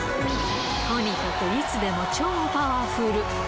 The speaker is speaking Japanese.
とにかくいつでも超パワフル！